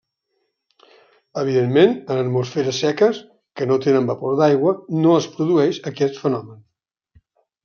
Evidentment en atmosferes seques, que no tenen vapor d'aigua, no es produeix aquest fenomen.